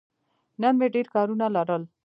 نن مې ډېر کارونه لرل.